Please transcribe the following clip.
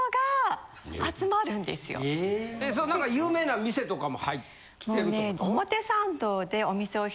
何か有名な店とかも入ってるとか。